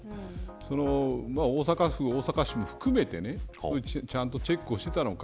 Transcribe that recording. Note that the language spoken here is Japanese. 大阪府、大阪市も含めてちゃんとチェックをしていたのか。